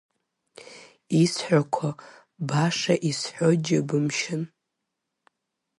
Исҳәақәо баша исҳәо џьыбымшьан.